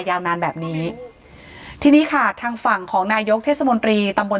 ยาวนานแบบนี้ทีนี้ค่ะทางฝั่งของนายกเทศมนตรีตำบล